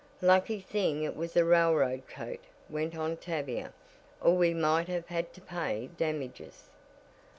"Lucky thing it was a railroad coat," went on Tavia, "or we might have had to pay damages."